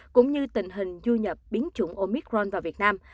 cũng như tình hình du nhập biến chủng omicron vào việt nam